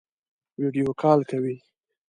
ویډیو کال کوئ؟